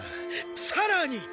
さらに。